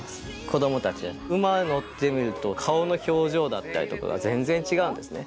子供たちは馬乗ってみると顔の表情だったりとかが全然違うんですね。